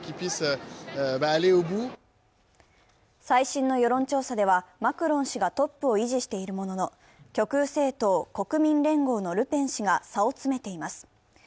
最新の世論調査では、マクロン氏がトップを維持しているものの極右政党・国民連合のルペン氏が差を詰めています。